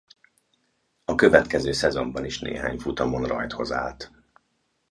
A következő szezonban is néhány futamon rajthoz állt.